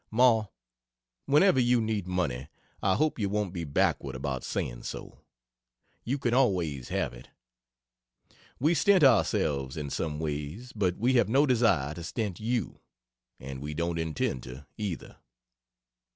Ma, whenever you need money I hope you won't be backward about saying so you can always have it. We stint ourselves in some ways, but we have no desire to stint you. And we don't intend to, either.